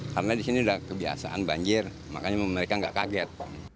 karena di sini udah kebiasaan banjir makanya mereka nggak kaget